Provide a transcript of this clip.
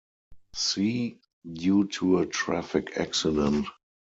C due to a traffic accident.